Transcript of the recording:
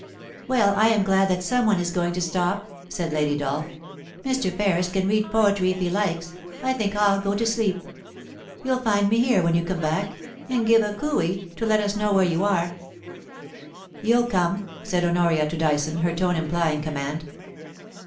* Well, I am glad that some one is going to stop,' said Lady Dolph. * Mr. Ferris can read poetry if he likes. I think I'll go to sleep. Youll find me here when you come back, and give a coo ee to let us know where you are.' A PICNIC IN THE MOUNTAINS, 19S * You'll come/ said Honoria to Dyson, her tone implying command.